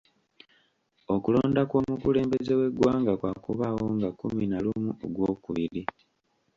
Okulonda kw'omukulembeze w'eggwanga kwakubaawo nga kkumi na lumu Ogwokubiri.